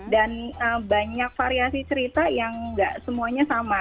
dan banyak variasi cerita yang nggak semuanya sama